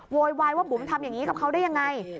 โวยวายว่าบุ๋มทำอย่างนี้กับเขาได้ยังไง